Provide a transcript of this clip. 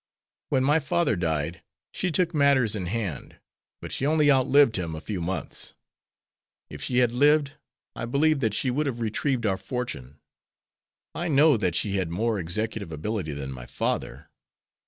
When my father died, she took matters in hand, but she only outlived him a few months. If she had lived I believe that she would have retrieved our fortune. I know that she had more executive ability than my father.